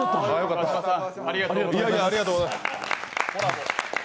川島さんありがとうございます。